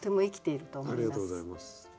ありがとうございます。